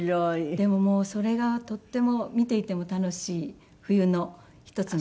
でももうそれがとっても見ていても楽しい冬の一つの風物詩に。